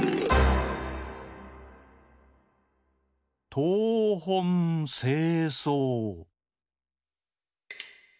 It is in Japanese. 「とうほんせいそう」。